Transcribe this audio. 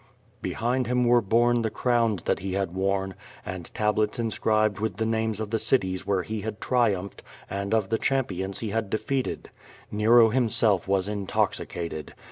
'* Behind him were borne the crowns that he had worn, and tablets inscribed with the names of the cities where he had triumphed and of the champions he had defeated. Xero himself was intoxicated.